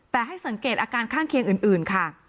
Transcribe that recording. แต่ให้สังเกตอาการข้างเคียงอื่นค่ะ